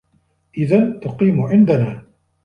إِذَنْ تُقِيمَ عندَنَا.